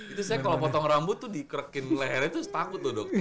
itu saya kalau potong rambut tuh di krekin lehernya terus takut loh dok